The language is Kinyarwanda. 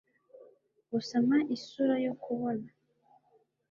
gusa mpa isura yo kubona